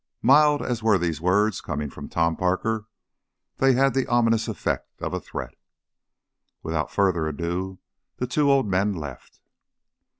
Mild as were these words, coming from Tom Parker they had the ominous effect of a threat. Without further ado the two old men left.